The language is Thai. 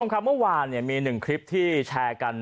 ทีละครับเมื่อวานเนี่ยมีหนึ่งคลิปที่แชร์กัน